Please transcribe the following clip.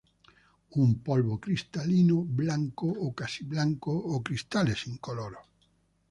Un polvo cristalino blanco o casi blanco o cristales incoloros.